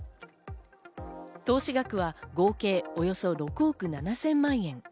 投資額は合計およそ６億７０００万円。